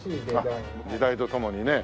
時代とともにね。